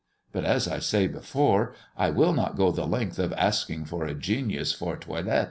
But, as I said before, I will not go the length of asking for a genius for toilet.